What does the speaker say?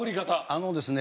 あのですね